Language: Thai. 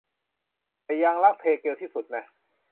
แต่ยังรักเทเกลที่สุดนะ